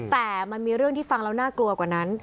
แต่มันมีเรื่องที่ฟังแล้วน่ากลัวกว่านั้น